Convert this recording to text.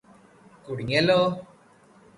കുടുങ്ങിയല്ലോ